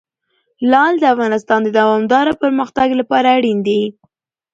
لعل د افغانستان د دوامداره پرمختګ لپاره اړین دي.